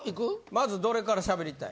まずどれから喋りたい？